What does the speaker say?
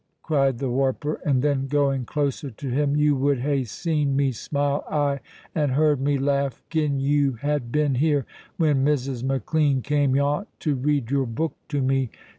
cried the warper; and then, going closer to him: "You would hae seen me smile, ay, and heard me laugh, gin you had been here when Mrs. McLean came yont to read your book to me.